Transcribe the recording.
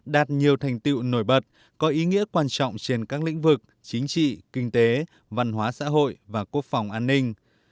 đạt nhiều thành tiệu nổi bật có ý nghĩa quan trọng trên các lĩnh vực chính trị kinh tế văn hóa xã hội và quốc phòng an ninh